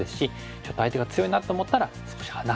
ちょっと相手が強いなと思ったら少し離す。